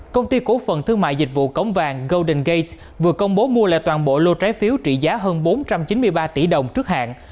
công ty cổ phần thương mại dịch vụ cống vàng golden gate vừa công bố mua lại toàn bộ lô trái phiếu trị giá hơn bốn trăm chín mươi ba tỷ đồng trước hạn